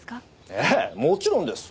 ええもちろんです。